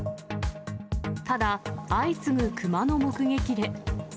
ただ、相次ぐクマの目撃で。